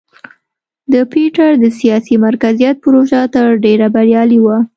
د پیټر د سیاسي مرکزیت پروژه تر ډېره بریالۍ وه.